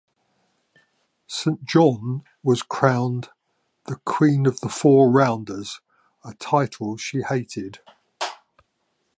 Saint John was crowned the "Queen of the Four-Rounders", a title she hated.